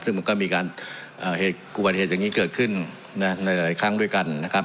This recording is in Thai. ดังนี้ก็มีการเห็นกวนเหตุอย่างนี้เกิดขึ้นฮ่าในหลายคลั้งด้วยกันนะครับ